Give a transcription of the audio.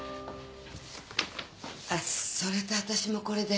あっそれと私もこれで。